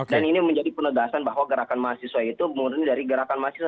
dan ini menjadi penegasan bahwa gerakan mahasiswa itu memudah dari gerakan mahasiswa